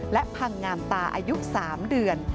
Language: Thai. และพังงามตาอายุ๓เดือน